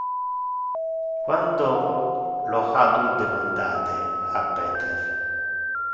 Quando lo ha tu demandate a Peter?